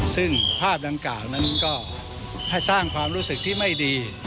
ซึ่งภาพดังกล่าวนั้นก็ให้สร้างความรู้สึกที่ไม่ดี